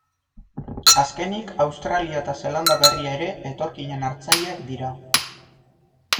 Azkenik, Australia eta Zeelanda Berria ere etorkinen hartzaileak dira.